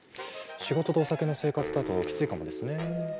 仕事とお酒の生活だとキツいかもですねえ。